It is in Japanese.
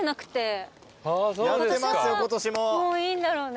今年はもういいんだろうね。